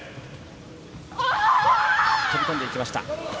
飛び込んでいきました。